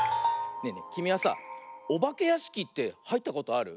ねえねえきみはさあおばけやしきってはいったことある？